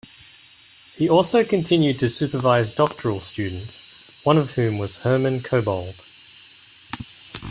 He also continued to supervise doctoral students, one of whom was Hermann Kobold.